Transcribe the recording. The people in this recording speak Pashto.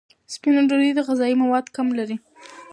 سپینه ډوډۍ غذایي مواد کم لري.